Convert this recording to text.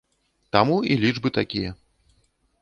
Таму і лічбы такія.